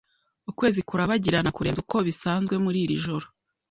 Ukwezi kurabagirana kurenza uko bisanzwe muri iri joro.